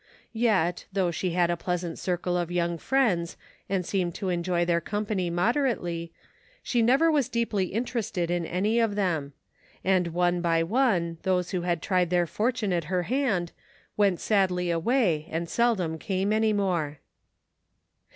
Yet, though she had a pleasant circle of young friends and seemed to enjoy their company moderately, she never was deeply interested in any of them ; and one by one those who had tried their f ortime at her hand, went sadly away and seldom came any more.